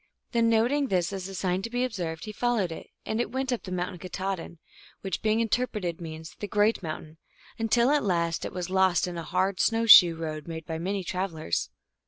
Then noting this, as a sign to be ob served, he followed it, and it went up the mountain, Katahdin, which, being interpreted, means " the great mountain," until at last it was lost in a hard snow *shoe road made by many travelers.